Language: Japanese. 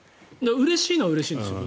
うれしいのはうれしいんですよ。